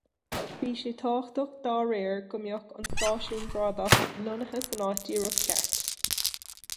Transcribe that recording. Bhí sé tábhachtach, dá réir, go mbeadh an stáisiún bradach lonnaithe san áit díreach ceart.